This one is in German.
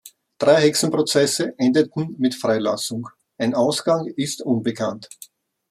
Drei Hexenprozesse endeten mit Freilassung, ein Ausgang ist unbekannt.